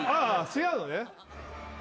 違うのね。